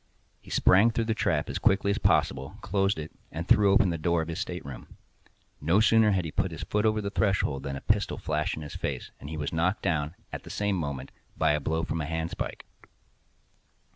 He sprang through the trap as quickly as possible, closed it, and threw open the door of his stateroom. No sooner had he put his foot over the threshold than a pistol flashed in his face, and he was knocked down, at the same moment, by a blow from a handspike.